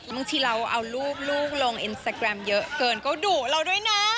บางทีเราเอาลูกลูกลงอินสตาแกรมเยอะเกินก็ดุเราด้วยนะ